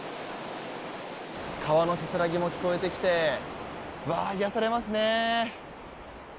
川のせせらぎも聞こえてきて癒やされますね。